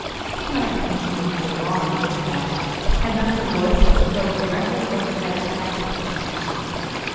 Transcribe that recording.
She might have continued for long in this fashion had not the voice of a crow directly overhead attracted her attention.